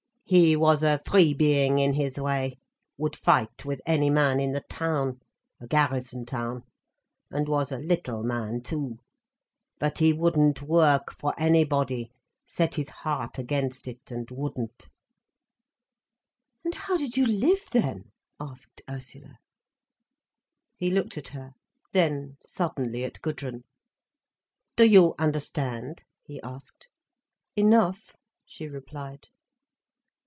He was a free being, in his way—would fight with any man in the town—a garrison town—and was a little man too. But he wouldn't work for anybody—set his heart against it, and wouldn't." "And how did you live then?" asked Ursula. He looked at her—then, suddenly, at Gudrun. "Do you understand?" he asked. "Enough," she replied.